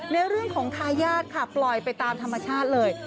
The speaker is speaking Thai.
ในเรื่องของทายาทค่ะปล่อยไปตามธรรมชาติเลย